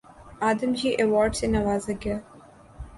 آدم جی award سے نوازا گیا